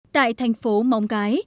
tại thành phố móng cái